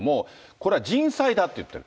これは人災だと言っている。